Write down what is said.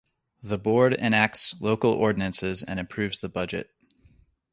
The board enacts local ordinances and approves the budget.